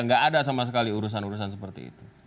nggak ada sama sekali urusan urusan seperti itu